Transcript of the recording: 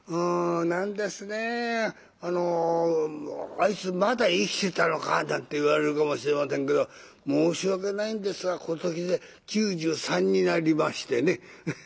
何ですねえ「あいつまだ生きてたのか」なんて言われるかもしれませんけど申し訳ないんですが今年で９３になりましてね。